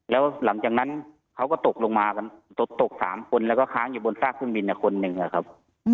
แล้วหลังจากนั้นเขาก็ตกลงมากันตก๓คนแล้วก็ค้างอยู่บนซากเครื่องบินคนหนึ่งนะครับ